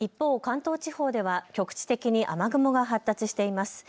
一方、関東地方では局地的に雨雲が発達しています。